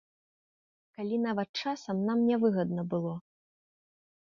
Нават калі часам нам нявыгадна было.